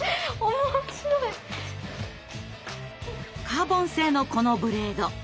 カーボン製のこのブレード。